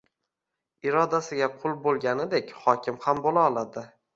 Irodasiga qul bo'lganidek, hokim ham bo'la oladi.